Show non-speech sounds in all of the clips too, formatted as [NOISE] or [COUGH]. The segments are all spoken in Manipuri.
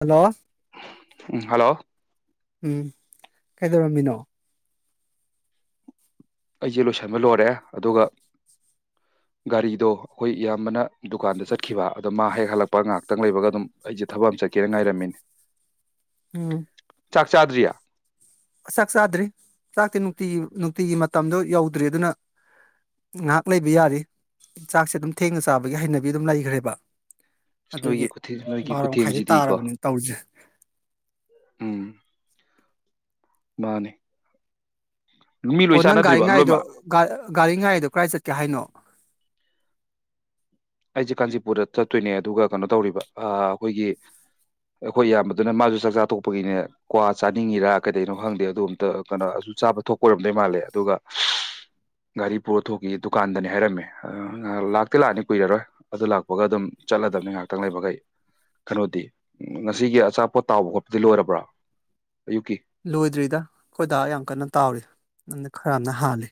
ꯍꯜꯂꯣ ꯎꯝ ꯍꯜꯂꯣ ꯎꯝ ꯀꯩꯗꯧꯔꯝꯃꯤꯅꯣ ꯑꯩꯖꯦ ꯂꯣꯏꯁꯤꯟꯕ ꯂꯣꯏꯔꯦ ꯑꯗꯨꯒ [INAUDIBLE] ꯒꯥꯔꯤꯗꯣ ꯑꯩꯈꯣꯏ ꯏꯌꯥꯝꯕꯅ ꯗꯨꯀꯥꯟꯗ ꯆꯠꯈꯤꯕ ꯑꯗ ꯃꯥ ꯍꯦꯛ ꯍꯜꯂꯛꯄ ꯉꯥꯍꯥꯛꯇꯪ ꯂꯩꯕꯒ ꯑꯗꯨꯝ ꯑꯩꯖꯦ ꯊꯕꯛ ꯑꯝꯖꯨ ꯆꯠꯀꯦ ꯉꯥꯏꯔꯝꯃꯤꯅꯦ ꯎꯝ ꯆꯥꯛ ꯆꯥꯗ꯭ꯔꯤꯌꯦ ꯆꯥꯛ ꯆꯥꯗ꯭ꯔꯤ ꯆꯥꯛꯇꯤ ꯅꯨꯡꯇꯤꯒꯤ ꯅꯨꯡꯇꯤꯒꯤ ꯃꯇꯝꯗꯣ ꯌꯧꯗ꯭ꯔꯤ ꯑꯗꯨꯅ ꯉꯥꯍꯥꯛ ꯂꯩꯕ ꯌꯥꯔꯤ ꯆꯥꯛꯁꯦ ꯑꯗꯨꯝ ꯊꯦꯡꯅ ꯆꯥꯕꯒꯤ ꯍꯩꯅꯕꯤ ꯑꯗꯨꯝ ꯂꯩꯈ꯭ꯔꯦꯕ ꯑꯗꯨꯒꯤ ꯅꯣꯏꯒꯤ ꯈꯨꯊꯦꯡ ꯅꯣꯏꯒꯤ ꯕꯥꯔꯣꯈꯥꯏꯗꯤ ꯈꯨꯊꯦꯡꯁꯤꯗꯤꯀꯣ ꯇꯥꯔꯕꯅꯤ ꯇꯧꯔꯤꯖꯦ ꯎꯝ ꯃꯅꯤ ꯑꯣ ꯅꯪ ꯒꯔꯤꯉꯥꯏꯗꯣ ꯂꯣꯏꯃꯛ ꯒꯔꯤꯉꯥꯏꯗꯣ ꯀꯔꯥꯏ ꯆꯠꯀꯦ ꯍꯥꯏꯅꯣ ꯑꯩꯁꯦ ꯀꯥꯟꯆꯤꯄꯨꯔꯗ ꯆꯠꯇꯣꯏꯅꯦ ꯑꯗꯨꯒ ꯀꯩꯅꯣ ꯇꯧꯔꯤꯕ ꯑꯩꯈꯣꯏꯒꯤ ꯑꯩꯈꯣꯏ ꯏꯌꯥꯝꯕꯗꯨꯅ ꯃꯁꯨ ꯆꯥꯛ ꯆꯥꯇꯣꯛꯄꯒꯤꯅꯦ ꯀ꯭ꯋꯥ ꯆꯥꯅꯤꯡꯉꯤꯔꯥ ꯀꯩꯗꯩꯅꯣ ꯈꯪꯗꯦ ꯑꯗꯨ ꯑꯝꯇ ꯀꯩꯅꯣ ꯨ ꯆꯥꯕ ꯊꯣꯛꯄ ꯑꯣꯏꯔꯝꯗꯣꯏ ꯃꯥꯜꯂꯦ ꯑꯗꯨꯒ ꯒꯥꯔꯤ ꯄꯨꯔꯊꯣꯛꯈꯤ ꯗꯨꯀꯥꯟꯗꯅꯦ ꯍꯥꯏꯔꯝꯃꯦ ꯂꯥꯛꯇꯤ ꯂꯥꯛꯑꯅꯤ ꯀꯨꯏꯔꯔꯣꯏ ꯑꯗꯨ ꯂꯥꯛꯄꯒ ꯑꯗꯨꯝ ꯆꯠꯂꯗꯕꯅꯤ ꯉꯥꯏꯍꯥꯛꯇꯪ ꯂꯩꯕꯒ ꯑꯩ ꯀꯩꯅꯣꯗꯤ ꯎ ꯉꯁꯤꯒꯤ ꯑꯆꯥꯄꯣꯠ ꯇꯥꯎꯕ ꯈꯣꯠꯄꯗꯤ ꯂꯣꯏꯔꯕ꯭ꯔꯣ ꯂꯣꯏꯗ꯭ꯔꯤꯗ ꯑꯩꯈꯣꯏꯗꯥ ꯌꯥꯝ ꯀꯟꯅ ꯇꯥꯎꯔꯤ ꯑꯩꯅ ꯈꯔꯃꯅ ꯍꯥꯜꯂꯤ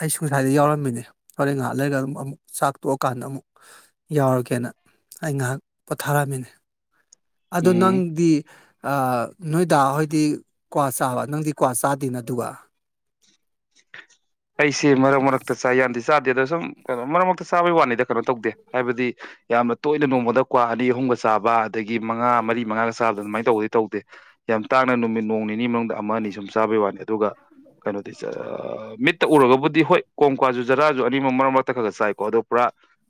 ꯑꯩꯁꯨ ꯉꯁꯥꯏꯗꯩ ꯌꯥꯎꯔꯝꯃꯤꯅꯦ ꯍꯣꯔꯦꯟ ꯉꯏꯍꯥꯛ ꯂꯩꯔꯒ ꯑꯃꯨꯛ ꯑꯃꯨꯛ ꯆꯥꯛ ꯇꯣꯛꯑꯀꯥꯟꯗ ꯑꯃꯨꯛ ꯌꯥꯎꯔ ꯌꯎꯔꯒꯦꯅ ꯑꯩ ꯉꯥꯏꯍꯥꯛ ꯄꯣꯊꯥꯔꯝꯃꯤꯅꯦ ꯑꯗꯣ ꯎꯝ ꯅꯪꯗꯤ ꯑꯥ ꯅꯣꯏ ꯗ ꯍꯣꯏꯗꯤ ꯀ꯭ꯋꯥ ꯆꯥꯕ ꯅꯪꯗꯤ ꯀ꯭ꯋꯥ ꯆꯥꯗꯦꯅ ꯑꯗꯨꯒ ꯑꯩꯁꯦ ꯃꯔꯛ ꯃꯔꯛꯇ ꯆꯥꯏ ꯌꯥꯝꯗꯤ ꯆꯥꯗꯦꯗ ꯁꯨꯝ ꯀꯩꯅ ꯃꯔꯛ ꯃꯔꯛꯇ ꯆꯥꯕꯒꯤ ꯋꯥꯅꯤꯗ ꯀꯩꯅꯣ ꯇꯧꯗꯦ ꯍꯥꯏꯕꯗꯤ ꯌꯥꯝꯅ ꯇꯣꯏꯅ ꯅꯣꯡꯃꯗ ꯀ꯭ꯋꯥ ꯑꯅꯤ ꯑꯍꯨꯝ ꯆꯥꯕ ꯑꯗꯒꯤ ꯃꯉꯥ ꯃꯔꯤ ꯃꯉꯥꯒ ꯆꯥ ꯑꯗꯨꯃꯥꯏꯅ ꯇꯧꯕꯗꯤ ꯇꯧꯗꯦ ꯌꯥꯝ ꯇꯥꯡꯅ ꯅꯨꯃꯤꯠ ꯅꯣꯡ ꯅꯤꯅꯤ ꯃꯅꯨꯡꯗ ꯁꯨꯝ ꯆꯥꯕꯩ ꯋꯅꯤ ꯑꯗꯨꯒ ꯀꯩꯅꯣꯗꯤ ꯃꯤꯠꯇ ꯎꯔꯒꯕꯨꯗꯤ ꯍꯣꯏ ꯀꯣꯝꯀꯥꯁꯨ ꯖꯥꯔꯗꯁꯨ ꯑꯅꯤꯃꯛ ꯃꯔꯛ ꯃꯔꯛꯇ ꯈꯔ ꯈꯔ ꯆꯥꯏꯀꯣ ꯑꯗꯣ ꯄꯨꯔꯥ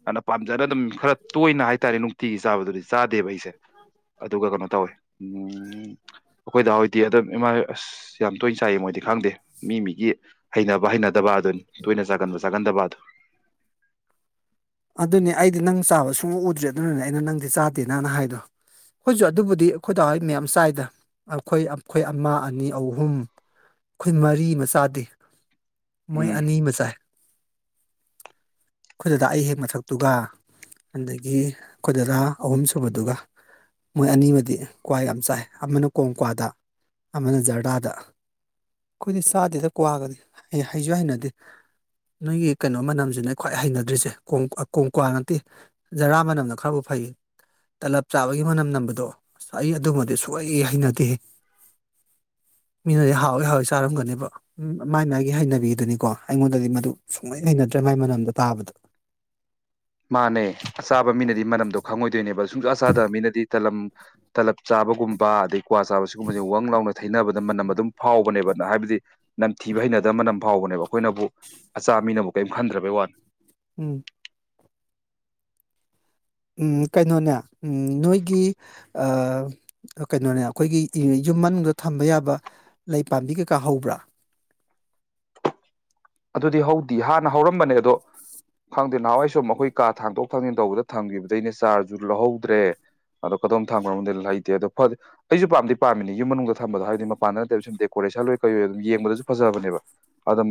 ꯑꯅ ꯄꯥꯝꯖꯅ ꯑꯗꯨꯝ ꯈꯔ ꯇꯣꯏꯅ ꯍꯥꯏ ꯍꯥꯏꯇꯥꯔꯦ ꯅꯨꯡꯇꯤꯒꯤ ꯆꯥꯕꯗꯨꯗꯤ ꯆꯥꯗꯦꯕ ꯑꯩꯁꯦ ꯑꯗꯨꯒ ꯀꯩꯅꯣ ꯇꯧꯋꯦ ꯑꯩꯈꯣꯏꯗ ꯍꯧꯗꯤ ꯑꯗꯨꯝ ꯏꯃꯥ ꯑꯁ ꯌꯥꯝ ꯇꯣꯏꯅ ꯆꯥꯏꯌꯦ ꯃꯣꯏꯗꯤ ꯈꯪꯗꯦ ꯃꯤ ꯃꯤꯒꯤ ꯍꯩꯅꯕ ꯍꯩꯅꯗ ꯗꯕꯥꯗꯨꯅꯤ ꯇꯣꯏꯅ ꯆꯥꯒꯟꯕ ꯆꯥꯒꯟꯗꯕꯗꯨ ꯑꯗꯨꯅꯦ ꯑꯩꯗꯤ ꯅꯪ ꯆꯥꯕ ꯁꯨꯡꯎ ꯎꯗ꯭ꯔꯤ ꯑꯗꯨꯅꯅꯦ ꯑꯩꯅ ꯅꯪꯗꯤ ꯆꯥꯗꯦꯅ ꯍꯥꯏꯗꯣ ꯑꯩꯈꯣꯏꯁꯨ ꯑꯗꯨꯕꯨꯗꯤ ꯑꯩꯈꯣꯏꯗꯍꯣꯏ ꯃꯌꯥꯝ ꯆꯥꯏꯗ ꯑꯩꯈꯣꯏ ꯑꯩꯈꯣꯏ ꯑꯃ ꯑꯅꯤ ꯑꯍꯨꯝ ꯈꯣꯏ ꯃꯔꯤꯃꯆꯥꯥꯗꯦ ꯃꯣꯏ ꯎꯝ ꯑꯅꯤ ꯃ ꯆꯥꯏ ꯑꯩꯈꯣꯏꯗꯗꯥ ꯑꯩ ꯍꯦꯛ ꯃꯊꯛꯇꯨꯒ ꯑꯗꯒꯤ ꯑꯩꯈꯣꯏꯗꯥꯗꯥ ꯑꯍꯨꯝꯁꯨꯨꯕꯗꯨꯒ ꯃꯣꯏ ꯑꯅꯤꯃꯗꯤ ꯀ꯭ꯋꯥ ꯌꯥꯝ ꯆꯥꯏ ꯑꯃꯅ ꯀꯣꯡꯀ꯭ꯋꯥꯗ ꯑꯃꯅ ꯖꯔꯗꯥꯗ ꯑꯩꯈꯣꯏꯗꯤ ꯆꯥꯗꯦꯗ ꯀ꯭ꯋꯥꯒꯗꯤ ꯑꯩ ꯍꯥꯏꯁꯨ ꯍꯩꯅꯗꯦ ꯅꯣꯏꯒꯤ ꯀꯩꯅꯣ ꯃꯅꯝꯁꯤꯅ ꯈ꯭ꯋꯥꯏ ꯍꯩꯅꯗ꯭ꯔꯤꯁꯦ ꯀꯣꯡꯀ꯭ꯥꯋ ꯅꯠꯇꯦ ꯖꯔꯥ ꯃꯅꯝꯅ ꯈꯔꯕꯨ ꯐꯩ ꯇꯂꯞ ꯆꯥꯕꯒꯤ ꯃꯅꯝ ꯅꯝꯕꯗꯣ ꯑꯁ ꯑꯩ ꯑꯗꯨꯃꯗꯤ ꯁꯨꯡꯍꯩ ꯍꯦꯛ ꯍꯩꯅꯗꯦꯍꯦ [INAUDIBLE] ꯃꯤꯅꯗꯤ ꯍꯥꯎꯋꯏ ꯍꯥꯎꯋꯏ ꯆꯥꯔꯝꯒꯅꯦꯕ ꯎ ꯃꯥꯏ ꯃꯥꯥꯏꯒꯤ ꯍꯩꯅꯕꯤꯗꯨꯅꯤꯀꯣ ꯑꯩꯉꯣꯟꯗꯗꯤ ꯃꯗꯨ ꯁꯨꯡꯍꯩ ꯍꯩꯅꯗꯦ ꯃꯥꯏ ꯃꯅꯝꯗꯣ ꯇꯥꯕꯗ ꯃꯥꯅꯦ ꯑꯆꯥꯕ ꯃꯤꯅꯗꯤ ꯃꯅꯝꯗꯣ ꯈꯪꯉꯣꯏꯗꯣꯏꯅꯦꯕ ꯁꯨꯡꯁꯥ ꯆꯥꯗꯕ ꯃꯤꯅꯗꯤ ꯇꯂꯝ ꯇꯂꯞ ꯆꯥꯕꯒꯨꯝꯕ ꯑꯗꯩ ꯀ꯭ꯋꯥ ꯆꯥꯕ ꯁꯤꯒꯨꯝꯕꯁꯦ ꯋꯥꯪ ꯂꯥꯎꯅ ꯊꯩꯅꯕꯗ ꯃꯅꯝ ꯑꯗꯨꯝ ꯐꯥꯎꯕꯅꯦꯕꯅ ꯍꯥꯏꯕꯗꯤ ꯅꯝꯊꯤꯕ ꯍꯩꯅꯗꯕ ꯃꯅꯝ ꯐꯥꯎꯕꯅꯦꯕ ꯑꯩꯈꯣꯏꯅꯕꯨ ꯑꯆꯥ ꯃꯤꯅꯕꯨ ꯀꯔꯤꯝ ꯈꯟꯗ꯭ꯔꯕꯩ ꯋꯥꯅꯤ ꯎꯝ ꯎꯝ ꯀꯩꯅꯣꯅꯦ ꯅꯣꯏꯒꯤ ꯑꯥ ꯀꯩꯅꯣꯅꯦ ꯑꯩꯈꯣꯏꯒꯤ ꯌꯨꯝ ꯃꯅꯨꯡꯗ ꯊꯝꯕ ꯌꯥꯕ ꯂꯩ ꯄꯥꯝꯕꯤ ꯀꯩꯀꯥ ꯍꯧꯕ꯭ꯔꯥ ꯑꯗꯨꯗꯤ ꯍꯧꯗꯤ ꯍꯥꯟꯅ ꯍꯧꯔꯝꯕꯅꯦ ꯑꯗꯣ ꯈꯪꯗꯦ ꯅꯍꯥꯟꯋꯥꯏ ꯁꯨꯝ ꯑꯩꯈꯣꯏ ꯀꯥ ꯊꯥꯡꯗꯣꯛ ꯊꯥꯡꯖꯤꯟ ꯇꯧꯕꯗ ꯊꯝꯈꯤꯕꯗꯩꯅꯦ ꯆꯥꯔꯖꯁꯨ ꯂꯧꯍꯧꯗ꯭ꯔꯦ ꯑꯗꯣ ꯀꯗꯣꯝ ꯊꯝꯈ꯭ꯔꯕꯅꯣ ꯈꯪꯗꯦ ꯂꯩꯇꯦ ꯑꯗꯣ ꯐ ꯑꯩꯁꯨ ꯄꯥꯝꯗꯤ ꯄꯥꯝꯃꯤꯅꯤ ꯌꯨꯝ ꯃꯅꯨꯡꯗ ꯊꯝꯕꯗꯣ ꯍꯥꯏꯕꯗꯤ ꯃꯄꯥꯟꯗꯅꯠꯇꯕ ꯁꯨꯝ ꯗꯦꯀꯣꯔꯦ ꯄꯩꯁꯥ ꯂꯣꯏ ꯀꯩ ꯑꯗꯨꯝ ꯌꯦꯡꯕꯗꯁꯨ ꯐꯖꯕꯅꯦꯕ ꯑꯗꯨꯝ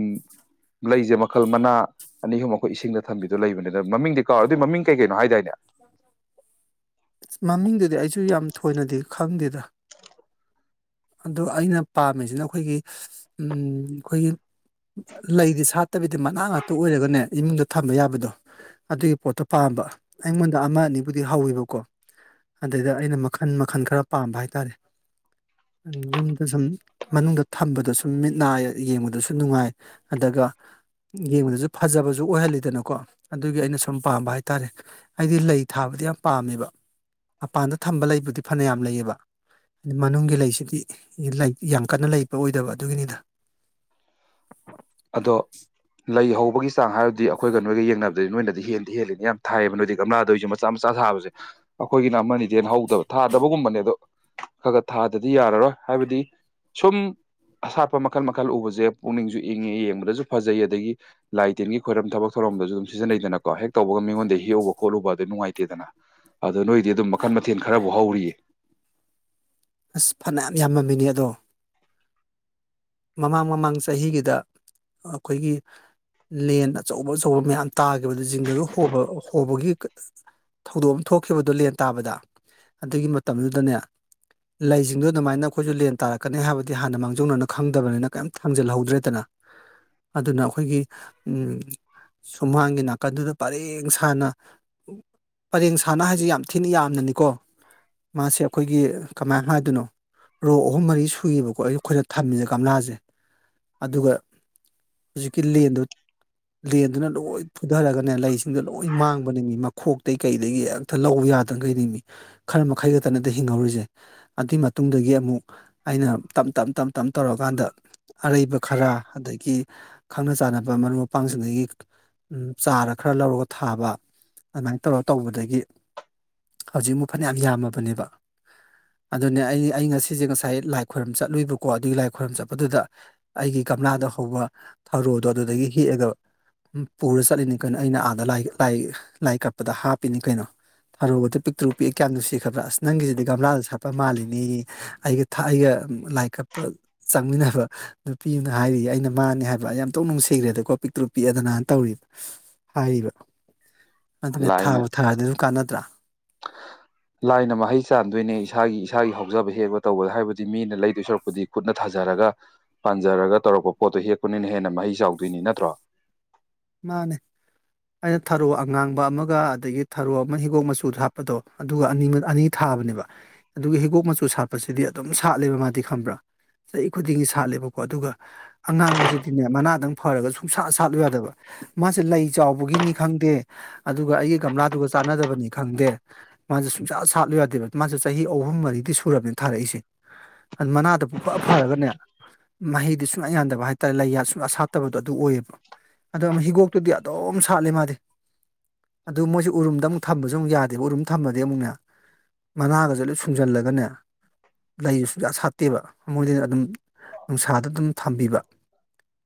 ꯂꯩꯁꯦ ꯃꯈꯜ ꯃꯅꯥ ꯑꯅꯤ ꯑꯍꯨꯝ ꯑꯩꯈꯣꯏ ꯏꯁꯤꯡꯗ ꯊꯝꯕꯤꯗꯣ ꯂꯩꯕꯅꯦ ꯑꯗ ꯃꯃꯤꯡꯗꯤ ꯀꯥꯎꯔ ꯑꯗꯨꯏ ꯃꯃꯤꯡ ꯀꯩ ꯀꯩꯅꯣ ꯍꯥꯏꯗꯥꯏꯅꯦ ꯃꯃꯤꯡꯗꯨꯗꯤ ꯑꯩꯁꯨ ꯌꯥꯝ ꯊꯣꯏꯅꯗꯤ ꯈꯪꯗꯦꯗ ꯑꯗꯨ ꯑꯩꯅ ꯄꯥꯝꯃꯤꯁꯤꯅ ꯑꯩꯈꯣꯏꯒꯤ ꯑꯩꯈꯣꯏꯒꯤ ꯂꯩꯗꯤ ꯁꯥꯠꯇꯕꯤꯗꯤ ꯃꯅꯥꯛ ꯉꯥꯛꯇ ꯑꯣꯏꯔꯒꯅꯦ ꯏꯃꯨꯡꯗ ꯊꯝꯕ ꯌꯥꯕꯗꯣ ꯑꯗꯨꯒꯤ ꯄꯣꯠꯇꯣ ꯄꯥꯝꯃꯦ ꯑꯩꯉꯣꯟꯗ ꯑꯃ ꯑꯅꯤꯕꯨꯗꯤ ꯍꯧꯋꯦꯕꯀꯣ ꯑꯗꯩꯗ ꯑꯩꯅ ꯃꯈꯟ ꯃꯈꯟ ꯈꯔ ꯄꯥꯝꯕ ꯍꯥꯏꯇꯥꯔꯦ ꯌꯨꯝꯗ ꯁꯨꯝ ꯃꯅꯨꯡꯗ ꯊꯝꯕꯗꯏ ꯁꯨꯝ ꯃꯤꯠ ꯅꯥ ꯌꯦꯡꯕꯗꯁꯨ ꯅꯨꯡꯉꯥꯏ ꯑꯗꯨꯒ ꯌꯦꯡꯕꯗꯁꯨ ꯐꯖꯕꯁꯨ ꯑꯣꯏꯍꯜꯂꯤꯗꯅꯀꯣ ꯑꯗꯨꯒꯤ ꯑꯩꯅ ꯁꯨꯝ ꯄꯥꯝꯕ ꯍꯥꯏꯇꯥꯔꯦ ꯑꯩꯗꯤ ꯂꯩ ꯊꯥꯕ ꯗꯌꯥꯝ ꯄꯥꯝꯃꯦꯕ ꯃꯄꯥꯟꯗ ꯊꯝꯕ ꯂꯩꯕꯨꯗꯤ ꯐꯅ ꯌꯥꯝ ꯂꯩꯌꯦꯕ ꯑ ꯃꯅꯨꯡꯒꯤ ꯂꯩ ꯁꯤꯗꯤ ꯏ ꯂꯩ ꯌꯥꯝ ꯀꯟꯅ ꯂꯩꯕ ꯑꯣꯏꯗꯕ ꯑꯗꯨꯒꯤꯅꯤꯗ ꯑꯗꯣ ꯂꯩ ꯍꯧꯕꯒꯤ ꯆꯥꯡ ꯍꯥꯏꯔꯗꯤ ꯑꯩꯈꯣꯏꯒ ꯅꯣꯏꯒ ꯌꯦꯡꯅꯕꯗꯗꯤ ꯅꯣꯏꯅꯗꯤ ꯍꯦꯟꯗꯤ ꯍꯦꯜꯂꯤꯅꯤ ꯌꯥꯝ ꯊꯥꯏꯌꯦꯕ ꯅꯣꯏꯅꯗꯤꯒꯝꯂꯥꯗꯑꯣꯏꯁꯨ ꯃꯆꯥ ꯃꯆꯥ ꯃꯆꯥ ꯁꯥꯕꯁꯦ ꯑꯩꯈꯣꯏꯒꯤꯅ ꯑꯃꯅꯤꯗꯤ ꯍꯦꯟꯅ ꯍꯧꯗꯕ ꯊꯥꯗꯕꯒꯨꯝꯕꯅꯦ ꯑꯗꯣ ꯈ ꯈ ꯊꯥꯗꯗꯤ ꯌꯥꯔꯔꯣꯏ ꯍꯥꯏꯕꯗꯤ ꯁꯨꯝ ꯑꯁꯥꯠꯄ ꯃꯈꯜ ꯃꯈꯜ ꯎꯕꯁꯦ ꯄꯨꯛꯅꯤꯡꯁꯨ ꯏꯪꯉꯦꯏ ꯌꯦꯡꯕꯗꯁꯨ ꯐꯖꯩꯏ ꯑꯗꯒꯤ ꯂꯥꯏ ꯇꯤꯟꯒꯤ ꯈꯣꯏꯔꯝ ꯊꯕꯛ ꯊꯧꯔꯝꯗꯁꯨ ꯑꯗꯨꯝ ꯁꯤꯖꯤꯟꯅꯩꯗꯅꯀꯣ ꯍꯦꯛ ꯇꯧꯕꯒ ꯃꯤꯉꯣꯟꯗꯒꯤ ꯍꯦꯛꯎꯕ ꯈꯣꯠꯂꯨꯕ ꯇꯧꯕ ꯑꯗꯨ ꯅꯨꯡꯉꯥꯏꯇꯦꯗꯅ ꯑꯗꯣ ꯅꯣꯏꯗꯤ ꯑꯗꯨꯝ ꯃꯈꯟ ꯃꯊꯦꯜ ꯈꯔꯕꯨ ꯍꯧꯔꯤꯌꯦ ꯑꯁ ꯐꯅꯌꯥꯝ ꯌꯥꯝꯃꯝꯃꯤꯅꯦ ꯑꯗꯣ ꯃꯃꯥꯡ ꯃꯃꯥꯡ ꯆꯍꯤꯒꯤꯗ ꯑꯩꯈꯣꯏꯒꯤ ꯂꯦꯟ ꯑꯆꯧꯕ ꯑꯆꯧꯕ ꯃꯌꯥꯝ ꯇꯥꯈꯤꯕꯗꯨ ꯖꯤꯡꯒꯒ ꯍꯣꯕ ꯍꯣꯕꯒꯤ ꯀ ꯊꯧꯗꯣꯛ ꯑꯃ ꯊꯣꯛꯈꯤꯕꯗꯣ ꯂꯦꯟ ꯇꯥꯕꯗ ꯑꯗꯨꯒꯤ ꯃꯇꯝꯗꯨꯗꯅꯦ ꯂꯩꯁꯤꯡꯗꯣ ꯑꯗꯨꯃꯥꯏꯅ ꯑꯩꯈꯣꯏꯁꯨ ꯂꯦꯟ ꯇꯥꯔꯛꯀꯅꯤ ꯍꯥꯏꯕꯗꯤ ꯍꯥꯟꯅ ꯃꯥꯡꯖꯧꯅ ꯅ ꯈꯪꯗꯕꯅꯤꯅ ꯀꯦꯝ ꯊꯥꯡꯖꯜꯍꯧꯗ꯭ꯔꯦꯗꯅ ꯑꯗꯨꯅ ꯑꯩꯈꯣꯏꯒꯤ ꯎꯝ ꯁꯨꯨꯝꯍꯥꯡꯒꯤ ꯅꯥꯀꯟꯗꯨꯗ ꯄꯔꯦꯡ ꯁꯥꯥꯡꯅ ꯎ ꯄꯔꯦꯡ ꯁꯥꯟꯅ ꯍꯥꯏꯁꯦ ꯌꯥꯝ ꯊꯤꯅ ꯌꯥꯝꯅꯅꯤꯀꯣ ꯃꯥꯁꯦ ꯑꯩꯈꯣꯏꯒꯤ ꯀꯃꯥꯏ ꯍꯥꯏꯗꯣꯏꯅꯣ ꯔꯣ ꯑꯍꯨꯝ ꯃꯔꯤ ꯁꯨꯏꯌꯦꯕꯀꯣ ꯑꯩ ꯈꯣꯏꯅ ꯊꯝꯃꯤꯁꯦ ꯒꯝꯂꯥꯁꯦ ꯑꯗꯨꯒ ꯍꯧꯖꯤꯛꯀꯤ ꯂꯦꯟꯗꯣ ꯂꯦꯟꯗꯨꯅ ꯂꯣꯏ ꯐꯨꯊꯔꯒꯅꯦ ꯂꯩꯁꯤꯡꯗꯣ ꯂꯣꯏ ꯃꯥꯡꯕꯅꯦ ꯃꯤ ꯃꯈꯣꯛꯇꯩꯒꯤ ꯀꯩꯗꯒꯤ ꯑꯝꯇ ꯂꯧꯌ ꯌꯥꯗꯒꯩꯅꯦꯃꯤ ꯈꯟ ꯃꯈꯩ ꯅꯠꯇꯅꯗ ꯍꯤꯡꯍꯧꯔꯤꯁꯦ ꯑꯗꯨꯏ ꯃꯇꯨꯡꯗꯒꯤ ꯑꯃꯨꯛ ꯑꯩꯅ ꯇꯝ ꯇꯝ ꯇꯝ ꯇꯞ ꯇꯧꯔꯀꯥꯟꯗ ꯑꯔꯩꯕ ꯈꯔ ꯑꯗꯒꯤ ꯈꯪꯅ ꯆꯥꯟꯅꯕ ꯃꯔꯨꯞ ꯃꯄꯥꯡꯁꯤꯡꯗꯒꯤ ꯎꯝ ꯆꯥꯔ ꯈꯔ ꯂꯧꯔꯒ ꯊꯥꯕ ꯑꯗꯨꯃꯥꯏꯅ ꯇꯧꯔ ꯇꯧꯕꯗꯒꯤ ꯍꯧꯖꯤꯛ ꯃꯨꯛ ꯐꯅ ꯌꯥꯝ ꯌꯥꯝꯃꯕꯅꯦꯕ ꯑꯗꯨꯅꯦ ꯑꯩ ꯑꯩ ꯉꯁꯤꯁꯦ ꯉꯁꯥꯏ ꯂꯥꯏ ꯈꯣꯏꯔꯝ ꯆꯠꯂꯨꯏꯕ ꯀꯣ ꯑꯗꯨꯒꯤ ꯂꯥꯏ ꯈꯣꯏꯔꯨꯝ ꯆꯠꯄꯗꯨꯗ ꯑꯩꯒꯤ ꯒꯥꯝꯂꯥꯗ ꯍꯧꯕ ꯊꯥꯔꯣꯗꯣ ꯑꯗꯨꯗꯒꯤ ꯍꯦꯛꯑꯒ ꯄꯨꯔ ꯆꯠꯂꯤꯅꯤ ꯀꯩꯅꯣ ꯑꯩꯅ ꯑꯥꯗ ꯂꯥꯏ ꯂꯥꯏꯀꯠꯄꯗ ꯍꯥꯞꯄꯤꯅꯤ ꯀꯩꯅꯣ ꯑꯔꯨꯕꯗ ꯄꯤꯛꯇ꯭ꯔꯨ ꯄꯤꯛꯏ ꯀ꯭ꯌꯥꯝ ꯅꯨꯡꯁꯤꯈ꯭ꯔꯕ꯭ꯔ ꯑꯁ ꯅꯪꯒꯤꯁꯤꯗꯤ ꯒꯝꯂꯥꯗ ꯁꯥꯠꯄ ꯃꯥꯜꯂꯤꯅꯦꯋꯦ ꯑꯩꯒꯤ ꯊꯥꯏꯒ ꯂꯥꯏꯀꯞ ꯆꯪꯃꯤꯟꯅꯕ ꯅꯨꯄꯤ ꯑꯃꯥꯅ ꯍꯥꯏꯔꯤꯌꯦ ꯑꯩꯅ ꯃꯥꯅꯦ ꯍꯥꯏꯕ ꯑꯌꯥ ꯑꯣꯟꯊꯣꯛ ꯅꯨꯡꯁꯤꯈ꯭ꯔꯦꯗꯀꯣ ꯄꯤꯛꯇ꯭ꯔꯨ ꯄꯤꯛꯑꯗꯅ ꯇꯧ ꯎꯏ ꯍꯥꯏꯔꯤꯕ ꯑꯗꯨꯅ ꯊꯥꯕꯨ ꯂꯥꯏꯅ ꯊꯥꯔꯗꯤ ꯑꯗꯨꯝ ꯀꯥꯟꯅꯗ꯭ꯔ ꯂꯥꯏꯅ ꯃꯍꯩ ꯆꯥꯟꯗꯣꯏꯅꯦ ꯏꯁꯥꯒꯤ ꯏꯁꯥꯒꯤ ꯍꯧ ꯍꯧꯖꯕ ꯍꯦꯕ ꯇꯧꯕꯗ ꯍꯥꯏꯕꯗꯤ ꯃꯤꯅ ꯂꯩꯗꯣꯏ ꯁꯨꯔꯛꯄꯨꯗꯤ ꯈꯨꯠꯅ ꯊꯥꯖꯔꯒ ꯄꯥꯟꯖꯔꯒ ꯇꯧꯔꯛꯄ ꯄꯣꯠꯇꯣ ꯍꯦꯛꯄ ꯅꯪꯅ ꯍꯦꯟꯅ ꯃꯍꯩ ꯆꯥꯎꯗꯣꯏꯅꯤ ꯅꯠꯇ꯭ꯔꯣ ꯃꯥꯅꯦ ꯑꯩꯅ ꯊꯔꯣ ꯑꯉꯥꯡꯕ ꯑꯃꯒ ꯑꯗꯒꯤ ꯊꯔꯣ ꯑꯃ ꯍꯤꯒꯣꯛ ꯃꯆꯨꯗ ꯍꯥꯞꯄꯗꯣ ꯑꯗꯨꯒ ꯑꯅꯤꯃ ꯑꯅꯤ ꯊꯥ ꯊꯥꯕꯅꯦꯕ ꯑꯗꯨꯒ ꯍꯤꯒꯣꯛ ꯃꯆꯨ ꯁꯥꯠꯄꯁꯤꯗꯤ ꯑꯗꯨꯝ ꯁꯥꯠꯂꯦꯕ ꯃꯥꯗꯤ ꯈꯪꯕ꯭ꯔꯥ ꯆꯍꯤ ꯈꯨꯗꯤꯡꯒꯤ ꯁꯥꯠꯂꯦꯕꯀꯣ ꯑꯗꯨꯒ ꯑꯉꯥꯡꯕꯁꯤꯗꯤꯅꯦ ꯃꯅꯥꯗꯪ ꯐꯔꯒ ꯁꯨꯡꯁꯥꯠ ꯁꯥꯠꯂꯨ ꯌꯥꯗꯕ ꯃꯥꯁꯦ ꯂꯩ ꯆꯥꯎꯕꯒꯤꯅꯤ ꯈꯪꯗꯦ ꯑꯗꯨꯒ ꯑꯩꯒꯤ ꯒꯝꯂꯥꯗꯨꯒ ꯆꯥꯟꯅꯗꯕꯅꯤ ꯈꯪꯗꯦ ꯃꯥꯁꯨꯦ ꯁꯨꯡꯁꯥ ꯁꯥꯠꯂꯨ ꯌꯥꯗꯦꯕ ꯃꯥꯁꯨꯦ ꯆꯍꯤ ꯑꯍꯨꯝ ꯃꯔꯤꯗꯤ ꯁꯨꯔꯕꯅꯦ ꯊꯥꯔꯛꯏꯁꯦ ꯑꯗꯨ ꯃꯅꯥꯗꯨ ꯄꯨꯡꯐ ꯐꯔꯒꯅꯦ ꯃꯍꯩꯗꯤ ꯁꯨꯡꯌꯥꯟꯗꯕ ꯍꯥꯏꯇꯥꯔꯦ ꯂꯩ ꯁꯨꯡꯁꯥ ꯁꯥꯠꯇꯕꯗꯣ ꯑꯗꯨ ꯑꯣꯏꯌꯦꯕ ꯑꯗꯣ ꯑꯃ ꯍꯤꯒꯣꯛꯇꯨꯗꯤ ꯑꯗꯨꯝ ꯁꯥꯠꯂꯦ ꯃꯥꯗꯤ ꯑꯗꯨ ꯃꯣꯏꯁꯨ ꯎꯔꯨꯝꯗ ꯑꯃꯨꯛ ꯊꯝꯕꯁꯨ ꯑꯃꯨꯛ ꯌꯥꯗꯦꯕ ꯎꯔꯨꯝ ꯊꯝꯃꯗꯤ ꯑꯃꯨꯛꯅꯦ ꯃꯅꯥꯒꯁꯨ ꯂꯣꯏ ꯁꯨꯞ ꯖꯜꯂꯒꯅꯦ ꯂꯩ ꯁꯨꯡꯖꯥꯠ ꯁꯥꯠꯇꯦꯕ ꯃꯣꯏꯗꯤꯅꯦ ꯑꯗꯨꯝ ꯅꯨꯡꯁꯥꯗ ꯗꯨꯝ ꯊꯝꯕꯤꯕ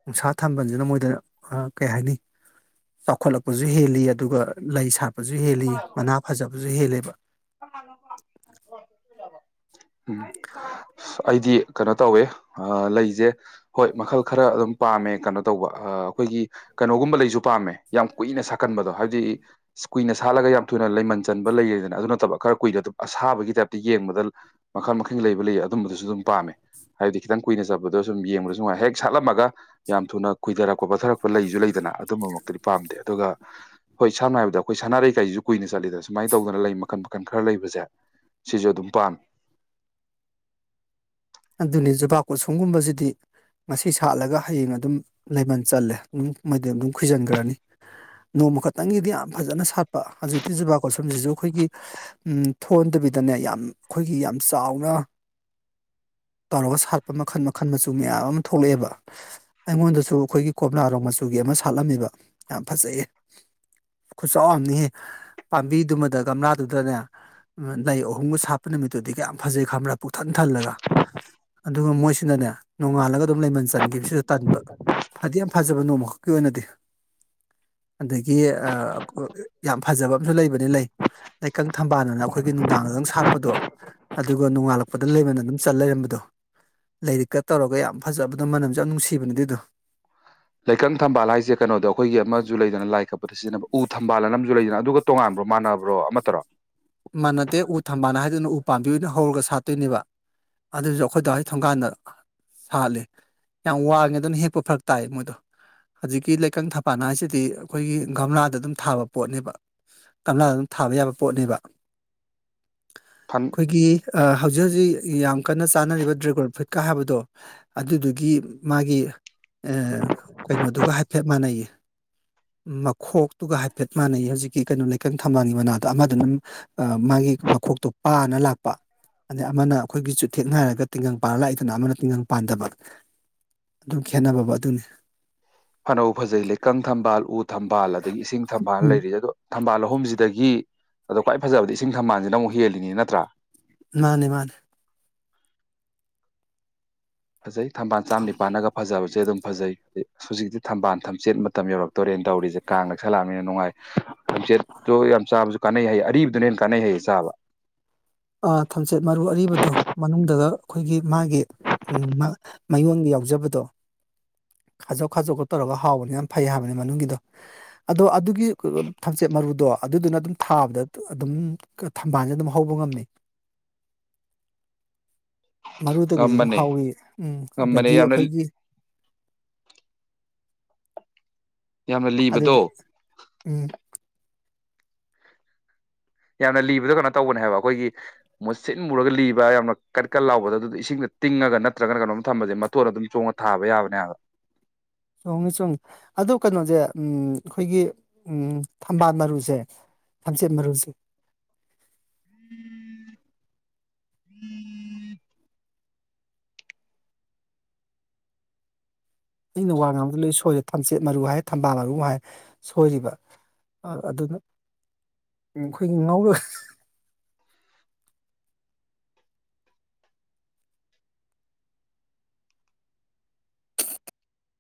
ꯅꯨꯡꯁꯥ ꯊꯝꯕꯁꯤꯅ ꯃꯣꯏꯗ ꯑ ꯀꯩ ꯍꯥꯏꯅꯤ ꯆꯥꯎꯈꯠꯂꯛꯄꯁꯨ ꯍꯦꯜꯂꯤ ꯑꯗꯨꯒ ꯂꯩ ꯁꯥꯠꯄꯁꯨ ꯍꯦꯜꯂꯤ ꯃꯅꯥ ꯐꯖꯕꯁꯨ ꯍꯦꯜꯂꯦꯕ ꯎꯝ ꯑꯩꯗꯤ ꯀꯩꯅꯣ ꯇꯧꯋꯦ ꯑ ꯂꯩꯖꯦ ꯍꯣꯏ ꯃꯈꯜ ꯈꯔ ꯑꯗꯨꯝ ꯄꯥꯝꯃꯦ ꯀꯅꯣ ꯇꯧꯕ ꯑ ꯑꯩꯈꯣꯏꯒꯤ ꯀꯅꯣꯒꯨꯝꯕ ꯂꯩꯁꯨ ꯄꯥꯝꯃꯦ ꯌꯥꯝ ꯀꯨꯏꯅ ꯁꯥꯠꯀꯟꯕꯗꯣ ꯍꯥꯏꯕꯗꯤ ꯀꯨꯏꯅ ꯁꯥꯠꯂꯒ ꯌꯥꯝ ꯊꯨꯅ ꯂꯩ ꯃꯟ ꯆꯟꯕ ꯂꯩꯌꯦꯗꯅ ꯑꯗꯨꯅ ꯇꯕ ꯈꯔ ꯀꯨꯏꯅ ꯑꯗꯨꯝ ꯑꯁꯥꯕꯒꯤ ꯇꯥꯏꯞꯇ ꯌꯦꯡꯕꯗ ꯃꯈꯜ ꯃꯈꯜ ꯂꯩꯕ ꯂꯩ ꯑꯗꯨꯝꯕꯗꯨꯁꯨ ꯑꯗꯨꯝ ꯄꯥꯝꯃꯦ ꯍꯥꯏꯕꯗꯤ ꯈꯤꯇꯪ ꯀꯨꯏꯅ ꯆꯠꯄꯗꯣ ꯁꯨꯝ ꯌꯦꯡꯕꯗꯁꯨ ꯅꯨꯡꯥꯏ ꯍꯦꯛ ꯁꯥꯠꯂꯝꯃꯒ ꯌꯥꯝ ꯊꯨꯅ ꯈꯨꯏꯗꯔꯛꯄ ꯄꯠꯊꯔꯛꯄ ꯂꯩꯁꯨ ꯂꯩꯗꯅ ꯅ ꯑꯗꯨꯝꯕꯃꯛꯇꯗꯤ ꯄꯥꯝꯗꯦ ꯑꯗꯨꯒ ꯍꯣꯏ ꯁꯝꯅ ꯍꯥꯏꯕꯗ ꯑꯩꯈꯣꯏ ꯁꯥꯟꯅꯔꯩ ꯀꯥꯏꯁꯤꯁꯨ ꯀꯨꯏꯅ ꯁꯥꯠꯂꯤꯗꯅ ꯁꯨꯃꯥꯏꯅ ꯇꯧꯗꯅ ꯂꯩ ꯃꯈꯜ ꯃ ꯀꯟ ꯈꯔ ꯂꯩꯕꯁꯦ ꯁꯤꯁꯨ ꯑꯗꯨꯝ ꯄꯥꯝ ꯑꯗꯨꯅꯤ ꯖꯨꯕꯥꯀꯨꯁꯨꯝꯒꯨꯝꯕꯁꯤꯗꯤ ꯉꯁꯤ ꯁꯥꯠꯂꯒ ꯍꯌꯦꯡ ꯑꯗꯨꯝ ꯂꯩꯃꯟ ꯆꯜꯂꯦ ꯎꯝ ꯑꯗꯨꯝ ꯃꯣꯏꯗꯤ ꯑꯗꯨꯝ ꯈꯨꯏꯖꯟꯒ꯭ꯔꯅꯤ ꯅꯣꯡꯃ ꯈꯛꯇꯪꯒꯤꯗꯤ ꯌꯥꯝ ꯐꯖꯅ ꯁꯥꯠꯄ ꯍꯧꯖꯤꯛꯇꯤ ꯖꯨꯕꯀꯨꯁꯨꯝꯁꯤꯁꯨ ꯑꯩꯈꯣꯏꯒꯤ ꯎꯝ ꯊꯣꯟꯗ ꯕꯤꯗꯅꯦ ꯌꯥꯝ ꯈꯣꯏꯒꯤ ꯌꯥꯝ ꯆꯥꯎꯅ ꯇꯧꯔꯒ ꯁꯥꯠꯄ ꯃꯈꯜ ꯃꯈꯜ ꯃꯆꯨ ꯃꯌꯥꯝ ꯑꯃ ꯊꯣꯛꯂꯛꯑꯦꯕ ꯑꯩꯉꯣꯟꯗꯁꯨ ꯑꯈꯣꯏꯒꯤ ꯀꯣꯝꯂꯥꯔꯣꯡ ꯃꯆꯨꯒꯤ ꯑꯃ ꯁꯥꯠꯂꯝꯃꯤꯕ ꯌꯥꯝ ꯐꯖꯩꯌꯦ ꯈꯨꯆꯥꯎ ꯑꯃꯅꯤꯍꯦ ꯄꯥꯝꯕꯤꯗꯨꯃꯗ ꯒꯝꯂꯥꯗꯨꯗꯅꯦ ꯑꯥ ꯂꯩ ꯑꯍꯨꯝꯒ ꯁꯥꯠꯄ ꯅꯨꯃꯤꯠꯇꯨꯗꯤ ꯀꯌꯥꯝ ꯐꯖꯩ ꯈꯡꯕ꯭ꯔꯥ ꯄꯨꯊꯟ ꯊꯜꯂꯒ ꯑꯗꯨꯒ ꯃꯣꯏꯁꯤꯅꯅꯦ ꯅꯣꯡꯉꯥꯜꯂꯒ ꯑꯗꯨꯝ ꯂꯩꯃꯟ ꯆꯟꯒꯤꯕꯁꯤꯗ ꯇꯟꯕ ꯐꯗꯤ ꯌꯥꯝ ꯐꯖꯕ ꯅꯣꯡꯃꯈꯛꯀꯤ ꯑꯣꯏꯅꯗꯤ ꯑꯗꯒꯤ ꯑꯥ ꯑꯥ ꯌꯥꯝ ꯐꯖꯕ ꯑꯝꯁꯨ ꯂꯩꯕꯅꯤ ꯂꯩ ꯂꯩꯀꯪ ꯊꯝꯕꯥꯜ ꯑꯅ ꯑꯩꯈꯣꯏꯒꯤ ꯅꯨꯡꯗꯥꯡ ꯗꯡ ꯁꯥꯠꯄꯗꯣ ꯑꯗꯨꯒ ꯅꯣꯉꯥꯜꯂꯛꯄꯗ ꯂꯩꯃꯜ ꯑꯗꯨꯝ ꯆꯜ ꯂꯩꯔꯝꯕꯗꯣ ꯂꯩꯔꯤꯛꯀ ꯇꯧꯔꯒ ꯌꯥꯝ ꯐꯖꯕꯗꯣ ꯃꯅꯝꯁꯨ ꯌꯥꯝ ꯅꯨꯡꯁꯤꯕꯅꯦ ꯑꯗꯨꯗꯣ ꯂꯩꯀꯪ ꯊꯝꯕꯥꯜ ꯍꯥꯏꯁꯦ ꯀꯩꯅꯣꯗꯣ ꯑꯩꯈꯣꯏꯒꯤ ꯑꯃꯁꯨ ꯂꯩꯗꯅ ꯂꯥꯏ ꯀꯠꯄꯗ ꯁꯤꯖꯤꯟꯅꯕ ꯎ ꯊꯝꯕꯥꯜ ꯑꯅ ꯑꯝꯁꯨ ꯂꯩꯗꯅ ꯑꯗꯨꯒ ꯇꯣꯉꯥꯟꯕ꯭ꯔꯣ ꯃꯥꯟꯅꯕ꯭ꯔꯣ ꯑꯃꯠꯇꯔꯣ ꯃꯥꯟꯅꯗꯦ ꯎ ꯊꯝꯕꯥꯜ ꯍꯥꯏꯗꯨꯅ ꯎ ꯄꯥꯝꯕꯤ ꯑꯣꯏꯅ ꯍꯧꯔꯒ ꯁꯥꯠꯇꯨꯏꯅꯦꯕ ꯑꯗꯨꯁꯨ ꯑꯩꯈꯣꯏ ꯗꯥ ꯍꯣꯏ ꯊꯣꯡꯒꯥꯟꯗ ꯁꯥꯠꯂꯦ ꯌꯥꯝ ꯋꯥꯡꯉꯦ ꯑꯗꯨꯅ ꯍꯦꯛꯄ ꯐꯔꯛ ꯇꯥꯏ ꯃꯣꯏꯗꯣ ꯍꯧꯖꯤꯛꯀꯤ ꯂꯩꯀꯪ ꯊꯝꯕꯥꯟ ꯍꯥꯏꯁꯤꯗꯤ ꯑꯩꯈꯣꯏꯒꯤ ꯒꯝꯂꯥꯗ ꯑꯗꯨꯝ ꯊꯥꯕ ꯄꯣꯠꯅꯦꯕ ꯒꯝꯂꯥꯗ ꯑꯗꯨꯝ ꯊꯥꯕ ꯌꯥꯕ ꯄꯣꯠꯅꯦꯕ ꯐꯟ ꯑꯩꯈꯣꯏꯒꯤ ꯑꯥ ꯍꯧꯖꯤꯛ ꯍꯧꯖꯤꯛ ꯌꯥꯝ ꯀꯟꯅ ꯆꯥꯅꯔꯤꯕ ꯗ꯭ꯔꯦꯒꯣꯟ ꯐ꯭ꯔꯨꯏꯠꯀ ꯍꯥꯏꯕꯗꯣ ꯑꯗꯨꯗꯨꯒꯤ ꯃꯥꯒꯤ ꯑꯦ ꯀꯩꯅꯣꯗꯨꯒ ꯍꯥꯏꯐꯦꯠ ꯃꯥꯟꯅꯩꯌꯦ ꯃꯈꯣꯛꯇꯨꯒ ꯍꯥꯏꯐꯦꯠ ꯃꯥꯟꯅꯩꯌꯦ ꯍꯧꯖꯤꯛꯀꯤ ꯀꯩꯅꯣ ꯂꯩꯀꯪ ꯊꯝꯕꯥꯜꯒꯤ ꯃꯅꯥꯗꯣ ꯑꯃꯗꯨꯅ ꯃꯨ ꯑꯥ ꯃꯥꯒꯤ ꯃꯈꯣꯛꯇꯣ ꯄꯥꯅ ꯂꯥꯛꯄ ꯑꯗꯩ ꯑꯃꯅ ꯑꯩꯈꯣꯏꯒꯤ ꯆꯨꯊꯦꯛ ꯉꯅꯥꯔꯒ ꯇꯤꯡꯒꯪ ꯄꯥꯟꯂ ꯂꯥꯛꯏꯗꯅ ꯑꯃꯅ ꯇꯤꯡꯒꯪ ꯄꯥꯟꯗꯕ ꯑꯗꯨꯝ ꯈꯦꯅꯕꯕꯨ ꯑꯗꯨꯅꯤ ꯐ ꯅꯕꯨ ꯐꯖꯩ ꯂꯩꯀꯪ ꯊꯝꯕꯥꯜ ꯎ ꯊꯝꯕꯥꯜ ꯑꯗꯒꯤ ꯏꯁꯤꯡ ꯊꯝꯕꯥꯜ ꯎꯝ ꯂꯩꯔꯤꯑꯦ ꯑꯗꯣ ꯊꯝꯕꯥꯜ ꯑꯍꯨꯝꯁꯤꯗꯒꯤ ꯑꯗꯣ ꯈ꯭ꯋꯥꯏ ꯐꯖꯕꯗꯤ ꯏꯁꯤꯡ ꯊꯝꯕꯥꯜꯁꯤꯅ ꯑꯃꯨꯛ ꯍꯦꯜꯂꯤꯅꯤ ꯅꯠꯇ꯭ꯔꯥ ꯃꯥꯅꯦ ꯃꯥꯅꯦ ꯐꯖꯩ ꯊꯝꯕꯥꯜ ꯆꯥꯝ ꯅꯤꯄꯥꯜꯅꯒ ꯐꯖꯕꯁꯦ ꯑꯗꯨꯝ ꯐꯖꯩ ꯍꯧꯖꯤꯛꯇꯤ ꯊꯝꯕꯥꯟ ꯊꯝꯆꯦꯠ ꯃꯇꯝ ꯌꯧꯔꯛꯇꯣꯔꯦꯅ ꯇꯧꯔꯤꯁꯦ ꯀꯥꯡ ꯅꯛꯁꯜꯂꯛꯑꯕꯅꯤꯅ ꯅꯨꯡꯉꯥꯏ ꯊꯝꯆꯦꯠꯇꯣ ꯌꯥꯝ ꯆꯥꯕꯁꯨ ꯀꯥꯟꯅꯩ ꯍꯥꯏꯌꯦ ꯑꯔꯤꯕꯗꯨꯅ ꯍꯦꯟꯅ ꯀꯥꯟꯅꯩ ꯍꯥꯏꯌꯦ ꯆꯥꯕ ꯑꯥ ꯊꯝꯆꯦꯠ ꯃꯔꯨ ꯑꯔꯤꯕꯗꯣ ꯃꯅꯨꯡꯗꯒ ꯑꯩꯈꯣꯏꯒꯤ ꯃꯥꯒꯤ ꯎꯝ-ꯃ ꯃꯌꯣꯟꯒ ꯌꯥꯎ ꯌꯥꯎꯖꯕꯗꯣ ꯈꯥꯖꯣꯛ ꯈꯥꯖꯣꯛꯀ ꯇꯧꯔꯒ ꯍꯥꯎꯕꯅꯦ ꯌꯥꯝ ꯐꯩ ꯍꯥꯏꯕꯅꯦ ꯃꯅꯨꯡꯒꯤꯗꯣ ꯑꯗꯣ ꯑꯗꯨꯒꯤ ꯀ-ꯑ ꯊꯝꯆꯦꯠ ꯃꯔꯨꯗꯣ ꯑꯗꯨꯗꯨꯅ ꯑꯗꯨꯝ ꯊꯥꯕꯗ ꯑꯗꯨꯝ ꯊꯝꯕꯥꯜꯁꯦ ꯑꯗꯨꯝ ꯍꯧꯕ ꯉꯝꯃꯤ ꯃꯔꯨꯗꯒꯤꯁꯨ ꯑꯗꯨꯝ ꯉꯝꯕꯅꯦ ꯍꯧꯋꯤ ꯎꯝ ꯉꯝꯕꯅꯦ ꯑꯗꯒꯤ ꯌꯥꯝꯅ ꯑꯩꯈꯣꯏꯒꯤ ꯌꯥꯝꯅ ꯑꯗꯨꯗꯤ ꯂꯤꯕꯗꯣ ꯎꯝ ꯌꯥꯝꯅ ꯂꯤꯕꯗꯣ ꯀꯩꯅꯣ ꯇꯧꯕꯅꯦ ꯍꯥꯏꯕ ꯑꯩꯈꯣꯏꯒꯤ ꯃꯨꯁꯤꯟ ꯃꯨꯔꯒ ꯂꯤꯕ ꯌꯥꯝꯅ ꯀꯟ ꯀꯟ ꯂꯥꯎꯕꯗꯣ ꯑꯗꯨꯗꯣ ꯏꯁꯤꯡꯗ ꯇꯤꯡꯉꯒ ꯅꯠꯇ꯭ꯔꯒꯅ ꯀꯩꯅꯣꯝ ꯊꯝꯕꯁꯦ ꯃꯇꯣꯟ ꯑꯗꯨꯝ ꯆꯣꯡꯉꯒ ꯊꯥꯕ ꯌꯥꯕꯅꯦ ꯍꯥꯏꯕ [INAUDIBLE] ꯆꯣꯡꯉꯤ ꯆꯣꯡꯉꯤ ꯑꯗꯨ ꯀꯩꯅꯣꯁꯦ ꯎꯝ ꯑꯩꯈꯣꯏꯒꯤ ꯎꯝ ꯊꯝꯕꯥꯜ ꯃꯔꯨꯁꯦ ꯂꯝꯆꯦꯠ ꯃꯔꯨꯁꯨ [INAUDIBLE] ꯑꯩꯅ ꯋꯥ ꯉꯥꯡꯕꯗ ꯂꯣꯏ ꯁꯣꯏꯔꯦ ꯊꯝꯆꯦꯠ ꯃꯔꯨ ꯍꯥꯏ ꯊꯝꯕꯥꯜ ꯃꯔꯨ ꯑꯃꯨꯛ ꯍꯥꯏ ꯁꯣꯏꯔꯤꯕ ꯑꯗꯨꯅ ꯑꯩꯈꯣꯏꯒꯤ ꯉꯧꯔꯒ ꯍꯥ